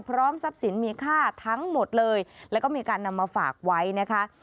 พร้อมทรัพย์สินมีค่าทั้งหมดเลยแล้วก็มีการนำมาฝากไว้นะคะ